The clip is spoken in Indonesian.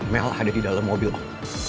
mel ada di dalam mobil aku